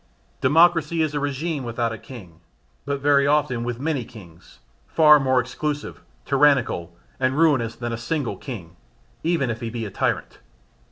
Democracy is a regime without a king, but very often with many kings, far more exclusive, tyrannical and ruinous than a single king, even if he be a tyrant.